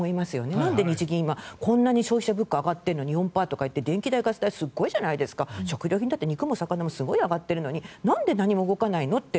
なんで日銀こんなに消費者物価が上がっているのに４％とか電気代、ガス代食料品だってすごい上がってるのになんで何も動かないのって。